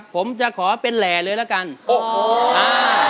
ผมจะขอเป็นแหลเลยแล้วกันโอ้โห